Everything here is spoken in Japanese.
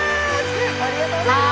ありがとうございます。